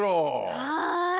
はい！